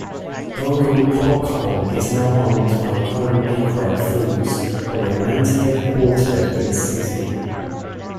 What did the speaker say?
Vogel Popcorn is now owned by ConAgra Foods but remains headquartered in the city.